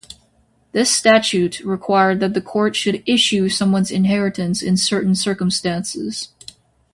This statute required that the court should "issue" someone's inheritance in certain circumstances.